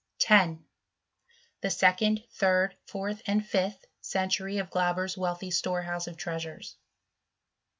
1 0. The second, tnird, fourth, and fifth century of Glauber's wealthy Storehouse of Treasures.